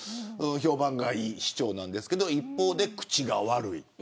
評判がいい市長なんですけど一方で口が悪い。